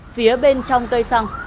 phía bên trong cây xăng